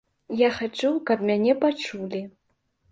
Я хачу, каб мяне пачулі.